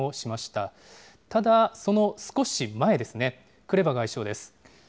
ただ、その少し前ですね、クレバ外相です。